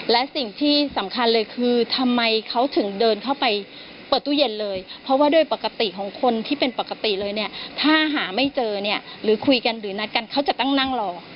และสิ่งที่สำคัญเลยคือทำไมเขาถึงเดินเข้าไปเปิดตู้เย็นเลยเพราะว่าโดยปกติของคนที่เป็นปกติเลยเนี่ยถ้าหาไม่เจอเนี่ยหรือคุยกันหรือนัดกันเขาจะต้องนั่งรอ